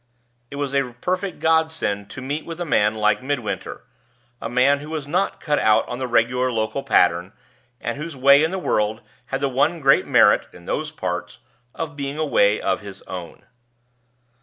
It was a perfect godsend to meet with a man like Midwinter a man who was not cut out on the regular local pattern, and whose way in the world had the one great merit (in those parts) of being a way of his own.